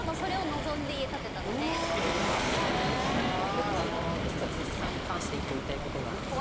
僕実は辻さんに関して１個言いたいことがあるんです。